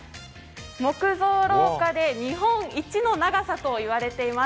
木造廊下で日本一の長さと言われています。